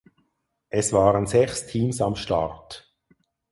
Es waren sechs Teams am Start.